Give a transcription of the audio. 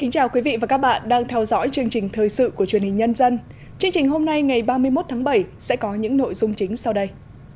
chương trình hôm nay ngày ba mươi một tháng bảy sẽ có những nội dung chính sau đây